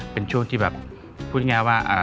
เป็นช่วงที่แบบพูดง่ายว่า